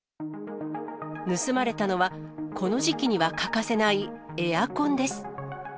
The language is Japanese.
盗まれたのは、この時期には欠かせないエアコンです。